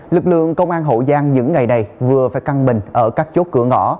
lực lượng công an hậu giang những ngày này vừa phải căn bình ở các chốt cửa ngõ